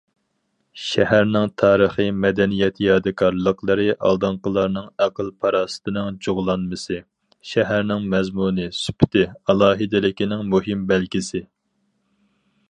شەھەرنىڭ تارىخىي مەدەنىيەت يادىكارلىقلىرى ئالدىنقىلارنىڭ ئەقىل- پاراسىتىنىڭ جۇغلانمىسى، شەھەرنىڭ مەزمۇنى، سۈپىتى، ئالاھىدىلىكىنىڭ مۇھىم بەلگىسى.